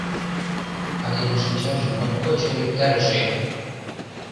А тидын шинчаже моткоч ӧрыктарыше!